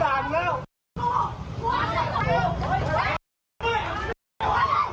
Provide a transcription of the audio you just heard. ถ้าเพิ่งโซนะสอนล่ะ